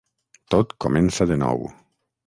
Tot comença de nou.